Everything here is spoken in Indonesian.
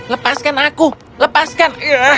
lepaskan aku lepaskan